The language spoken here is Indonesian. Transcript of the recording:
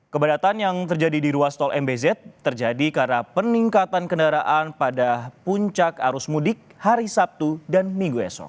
kepadatan yang terjadi di ruas tol mbz terjadi karena peningkatan kendaraan pada puncak arus mudik hari sabtu dan minggu esok